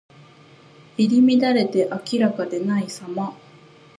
入り乱れて明らかでないさま。